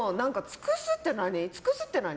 尽くすって何？